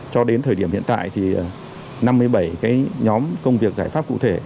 cho đến thời điểm hiện tại năm mươi bảy nhóm công việc giải pháp cụ thể